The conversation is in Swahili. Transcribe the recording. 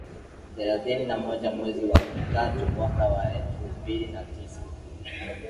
Thelathini na moja mwezi wa tatu mwaka waelfu mbili na tisa